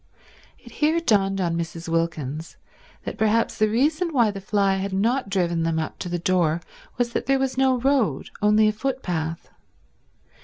It here dawned on Mrs. Wilkins that perhaps the reason why the fly had not driven them up to the door was that there was no road, only a footpath.